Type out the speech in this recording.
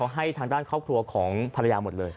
ให้ทางด้านครอบครัวของภรรยาหมดเลย